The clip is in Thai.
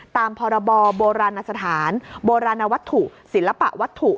ตามพบสถานโบราณวัตถุศิลปะวัตถุ